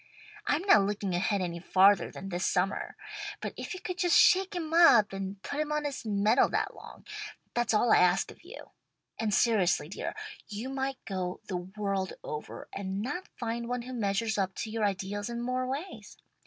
I'm not looking ahead any farther than this summer. But if you could just shake him up and put him on his mettle that long, that's all I ask of you. And seriously, dear, you might go the world over and not find one who measures up to your ideals in more ways.